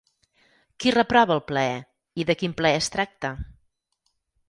Qui reprova el plaer, i de quin plaer es tracta?